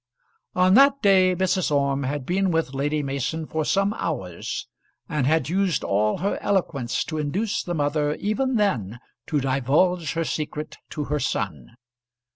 On that day Mrs. Orme had been with Lady Mason for some hours, and had used all her eloquence to induce the mother even then to divulge her secret to her son.